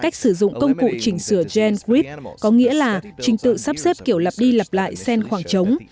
công cụ chỉnh sửa gengrip có nghĩa là trình tự sắp xếp kiểu lặp đi lặp lại sen khoảng trống